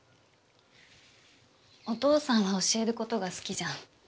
お父さんは教える事が好きじゃん。